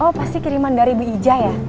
oh pasti kiriman dari bu ija ya